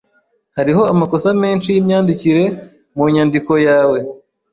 Hariho amakosa menshi yimyandikire mu nyandiko yawe.